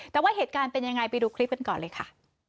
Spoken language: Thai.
แต่ว่าเหตุการณ์เป็นยังไงไปดูคลิปกันก่อนเลยค่ะ